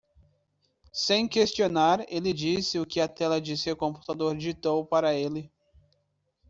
Sem questionar, ele disse o que a tela de seu computador ditou para ele.